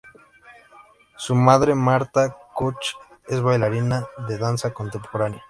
Su madre, Marta Koch, es bailarina de danza contemporánea.